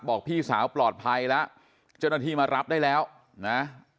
พี่สาวปลอดภัยแล้วเจ้าหน้าที่มารับได้แล้วนะ